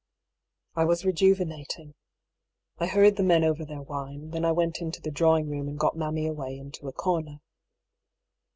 I was rejuvenating, I hurried the men over their wine. Then I went into the drawing room and got mammy away into a corner.